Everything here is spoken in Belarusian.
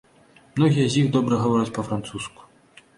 Многія з іх добра гавораць па-французску.